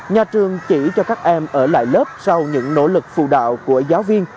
nhà trường chỉ cho các em ở lại lớp sau những nỗ lực phụ đạo của giáo viên